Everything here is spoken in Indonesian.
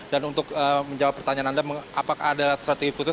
dan untuk menjawab pertanyaan anda apakah ada strategi khusus